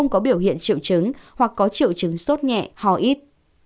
có biểu hiện triệu chứng hoặc có triệu chứng sốt nhẹ ho ít